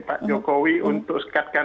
begitu saja untuk kebeluran